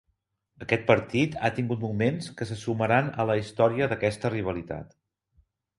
Aquest partit ha tingut moments que se sumaran a la història d'aquesta rivalitat.